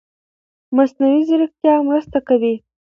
مصنوعي ځيرکتیا مرسته کوي.